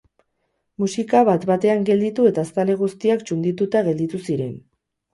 Musika bat-batean gelditu eta zale guztiak txundituta gelditu ziren.